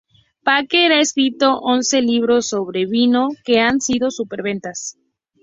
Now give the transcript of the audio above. Parker ha escrito once libros sobre vino que han sido superventas.